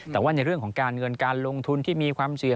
แต่ว่าในเรื่องของการเงินการลงทุนที่มีความเสี่ยง